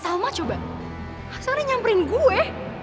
salma coba asalnya nyamperin gue